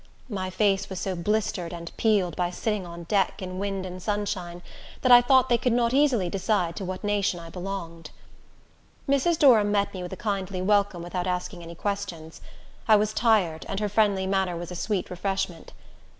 My face was so blistered and peeled, by sitting on deck, in wind and sunshine, that I thought they could not easily decide to what nation I belonged. Mrs. Durham met me with a kindly welcome, without asking any questions. I was tired, and her friendly manner was a sweet refreshment.